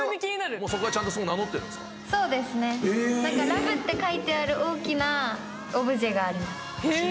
ＬＯＶＥって書いてある大きなオブジェがあります。